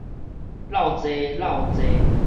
落坐落坐